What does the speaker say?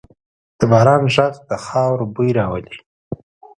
د باران ږغ د خاورو بوی راولي.